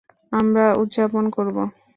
আমরা উদযাপন করব।